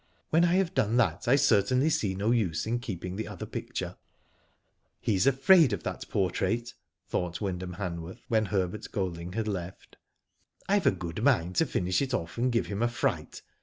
When I have done that I certainly see no use in keeping the other picture/' .* "He's afraid of that portrait," thought Wynd ham Han worth, when Herbert Golding had left. '* I've a good mind to finish it off and give him a fright.